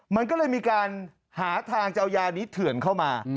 มันก็เลยมีการหาทางจะเอายานี้เถื่อนเข้ามา